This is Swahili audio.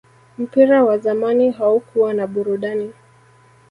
mpira wa zamani haukuwa na burudani